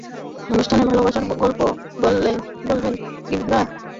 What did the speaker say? অনুষ্ঠানে ভালোবাসার গল্প বলবেন ইবরার টিপু-মিথিলা, তপু-নাজিবা সেলিম, তানভীর তারেক-অনিমা রায়।